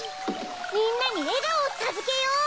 みんなにえがおをさずけよう！